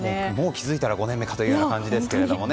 気づいたら５年目という感じですね。